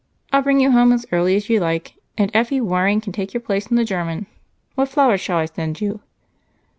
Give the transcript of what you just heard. I'll bring you home as early as you like, and Effie Waring shall take your place in the German. What flowers shall I send you?"